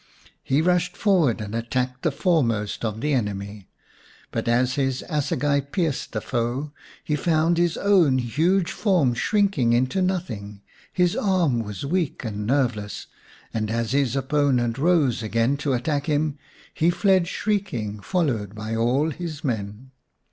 He rushed forward and attacked the foremost of the enemy. But as his assegai pierced the foe he found his own huge form shrinking into nothing, his arm was weak and nerveless, and as his opponent rose again to attack him, he fled shrieking, followed by all his men.